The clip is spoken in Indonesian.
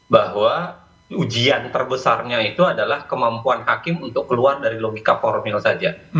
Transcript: bahwa ujian terbesarnya itu adalah kemampuan hakim untuk keluar dari logika formil saja